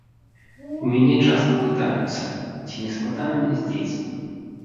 У мяне часта пытаюцца, ці не складана мне з дзецьмі.